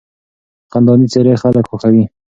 خندانې څېرې خلک خوښوي.